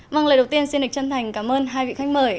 vâng lời đầu tiên xin lịch chân thành cảm ơn hai vị khách mời